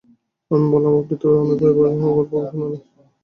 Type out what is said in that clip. আমি বললাম, আপনি তো তাই ভয়াবহ গল্প শোনালেন।